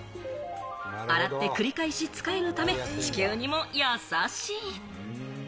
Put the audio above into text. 洗って繰り返し使えるため、地球にも優しい。